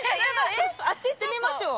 あっち行ってみましょう。